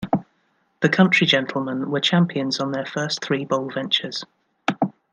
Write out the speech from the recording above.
The Country Gentlemen were champions on their first three bowl ventures.